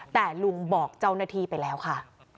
แต่ลุงบอกเจ้าหน้าที่ไปแล้วค่ะ